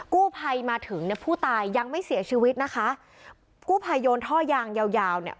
กู้ภัยมาถึงเนี่ยผู้ตายยังไม่เสียชีวิตนะคะกู้ภัยโยนท่อยางยาวยาวเนี่ย